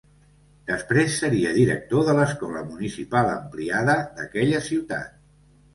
Després seria director de l'Escola Municipal Ampliada d'aquella ciutat.